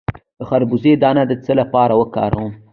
د خربوزې دانه د څه لپاره وکاروم؟